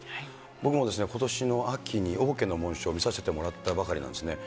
僕もことしの秋に王家の紋章、見させてもらったばっかりなんですね。